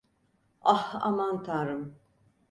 Ah, aman Tanrım.